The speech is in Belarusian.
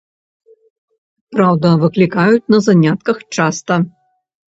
Праўда, выклікаюць на занятках часта.